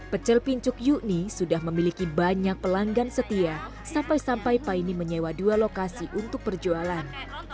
pecel pincuk yukni sudah memiliki banyak pelanggan setia sampai sampai paine menyewa dua lokasi untuk perjualan